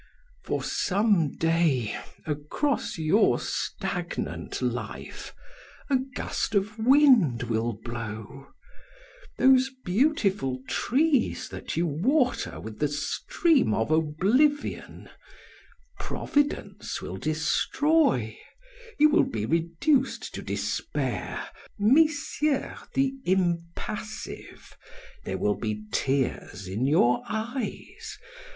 For some day, across your stagnant life, a gust of wind will blow. Those beautiful trees that you water with the stream of oblivion, Providence will destroy; you will be reduced to despair, messieurs the impassive, there will be tears in your eyes.